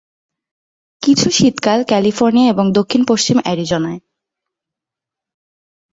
কিছু শীতকাল ক্যালিফোর্নিয়া এবং দক্ষিণ-পশ্চিম অ্যারিজোনায়।